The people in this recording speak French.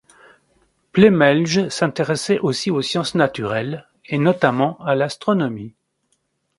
Plemelj s'intéressait aussi aux sciences naturelles, et notamment à l'astronomie.